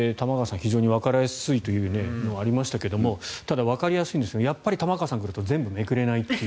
非常にわかりやすいというのがありましたがただ、わかりやすいんですがやっぱり玉川さんが来ると全部めくれないという。